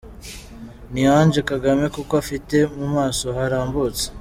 ni Ange kagame kuko afite mumaso harambutse.